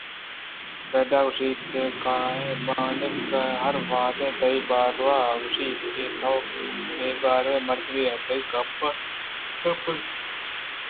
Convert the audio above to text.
فریڈا گوٛشت کہبانک ءَ ہروہدءَ تئی بارواہ ءَ گوٛشتگ کہ تو بے باوریں مردمے ئے ءُتئی گپ ترٛپل ءُہوادگ اَنت تو ہچبر گران نہ بئے